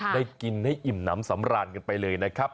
ได้กินให้อิ่มน้ำสำราญกันไปเลยนะครับ